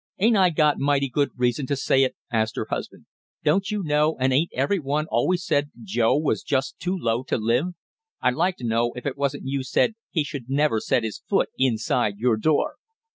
"Ain't I got mighty good reason to say it?" asked her husband. "Don't you know, and ain't every one always said Joe was just too low to live? I'd like to know if it wasn't you said he should never set his foot inside your door?"